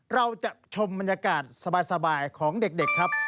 เราจะชมบรรยากาศสบายของเด็กครับ